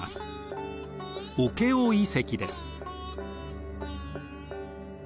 オケオ遺跡です。